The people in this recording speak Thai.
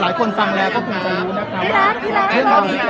หลายคนฟังแล้วก็คงรักคุณนะคะ